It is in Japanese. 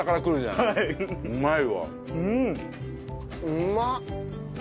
うまっ！